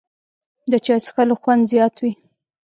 د چای څښلو خوند زیات وي